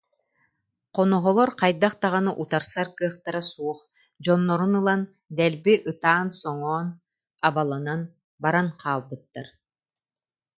Хоноһолор хайдах даҕаны утарсар кыахтара суох, дьоннорун ылан, дэлби ытаан-соҥоон абаланан баран хаалбыттар